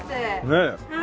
ねえ。